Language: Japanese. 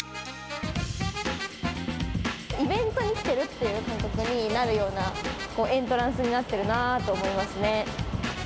イベントに来ているという感覚になるようなエントランスになっているなと思いますね。